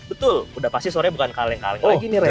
betul udah pasti sore bukan kaleng kaleng lagi nih rem